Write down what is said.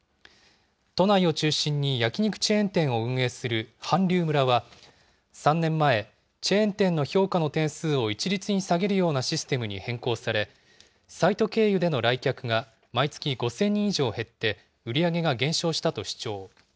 都内を中心に焼き肉チェーン店を運営する韓流村は、３年前、チェーン店の評価の点数を一律に下げるようなシステムに変更され、サイト経由での来客が毎月５０００人以上減って、売り上げが減少したと主張。